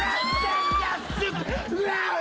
ワオ！